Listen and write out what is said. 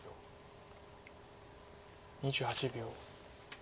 ２８秒。